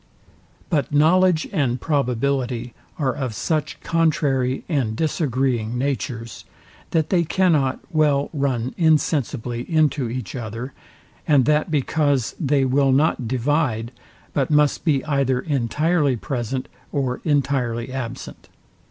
But knowledge and probability are of such contrary and disagreeing natures, that they cannot well run insensibly into each other, and that because they will not divide, but must be either entirely present, or entirely absent.